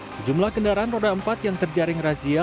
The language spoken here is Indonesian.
sejumlah kendaraan roda empat yang terjaring razia